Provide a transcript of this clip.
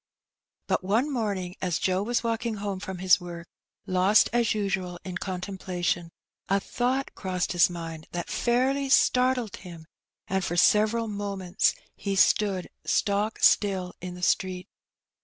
But one morning, as Joe was walking home from his work, lost as usual in contemplation, a thought crossed his mind that fairly startled him, and for several moments he stood stock still in the street.